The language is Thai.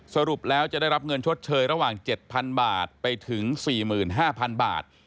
สรุปแล้วจะได้รับเงินชดเชยระหว่าง๗๐๐บาทไปถึง๔๕๐๐๐บาท